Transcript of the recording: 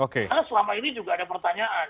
karena selama ini juga ada pertanyaan